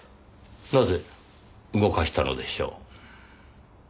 なぜ動かしたのでしょう？